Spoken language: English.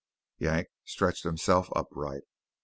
Yank, stretched himself upright.